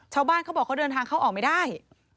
เขาบอกเขาเดินทางเข้าออกไม่ได้